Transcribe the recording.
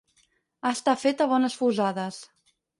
Estar fet a bones fusades.